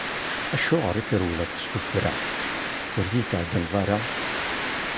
Acuɣer i trewleḍ s tuffra, ur yi-d-tɛeggneḍ ara?